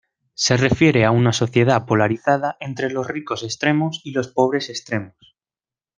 Se refiere a una sociedad polarizada entre los ricos extremos y los pobres extremos.